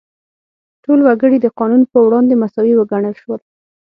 ټول وګړي د قانون په وړاندې مساوي وګڼل شول.